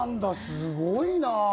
すごいなぁ。